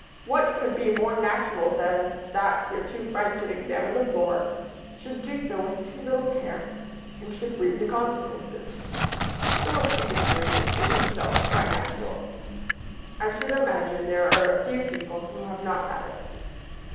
What could be more natural than that your two friends should examine the floor, should do so with too little care, and should reap the consequences? The repeated dream is itself quite natural; I should imagine there are few people who have not had it.